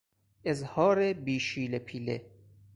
اظهار بی شیله پیله